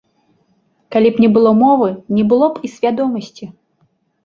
Калі б не было мовы, не было б і свядомасці.